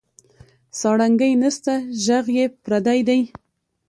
سارنګۍ نسته ږغ یې پردی دی